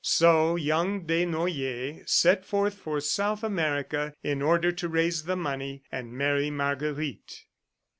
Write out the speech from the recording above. So young Desnoyers set forth for South America in order to raise the money and marry Marguerite.